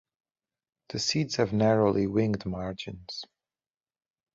The seeds have narrowly winged margins.